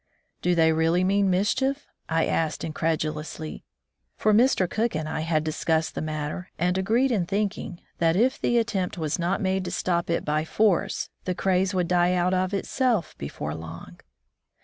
'' "Do they really mean mischief?" I asked incredulously, for Mr. Cook and I had dis cussed the matter and agreed in thinking that if the attempt was not made to stop it by force, the craze would die out of itself before long.